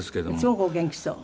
すごくお元気そう。